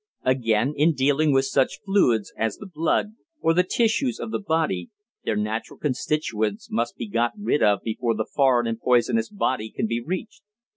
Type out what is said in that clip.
Again, in dealing with such fluids as the blood, or the tissues of the body, their natural constituents must be got rid of before the foreign and poisonous body can be reached.